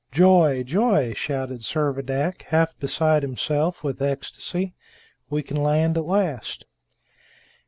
"Joy! joy!" shouted Servadac, half beside himself with ecstasy; "we can land at last!"